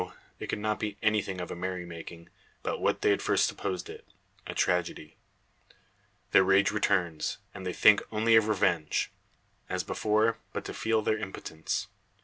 It could not be anything of a merrymaking, but what they at first supposed it a tragedy. Their rage returns, and they think only of revenge. As before, but to feel their impotence.